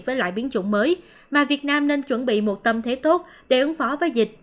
với loại biến chủng mới mà việt nam nên chuẩn bị một tâm thế tốt để ứng phó với dịch